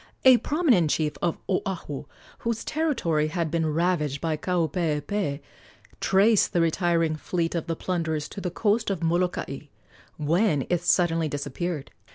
A prominent chief of Oahu, whose territory had been ravaged by Kaupeepee, traced the retiring fleet of the plunderers to the coast of Molokai, when it suddenly disappeared.